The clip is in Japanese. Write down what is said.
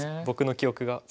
僕の記憶が。